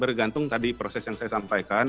bergantung tadi proses yang saya sampaikan